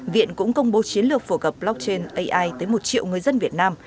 viện cũng công bố chiến lược phổ cập blockchain ai tới một triệu người dân việt nam